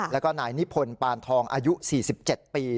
แล้วก็นายนิพนธ์ปานทองอายุ๔๗ปี